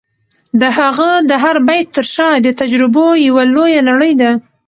د هغه د هر بیت تر شا د تجربو یوه لویه نړۍ ده.